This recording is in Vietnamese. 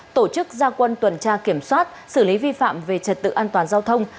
tổ chức gia quân tuần tra kiểm soát xử lý vi phạm về trật tự an toàn giao thông